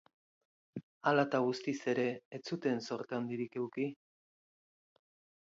Hala eta guztiz ere, ez zuten zorte handirik eduki.